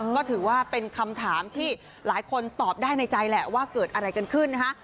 ก็ถือว่าเป็นคำถามที่หลายคนตอบได้ในใจแหละว่าเกิดอะไรกันขึ้นนะคะ